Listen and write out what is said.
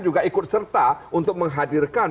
juga ikut serta untuk menghadirkan